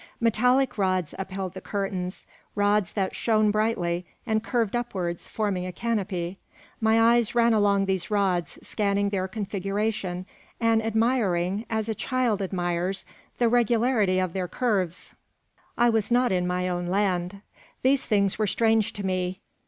Metallic rods upheld the curtains; rods that shone brightly, and curved upwards, forming a canopy. My eyes ran along these rods, scanning their configuration, and admiring, as a child admires, the regularity of their curves. I was not in my own land. These things were strange to me.